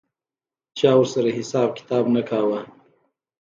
چا ورسره حساب کتاب نه کاوه.